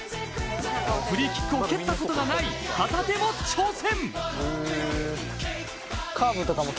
フリーキックを蹴ったことがない旗手も挑戦。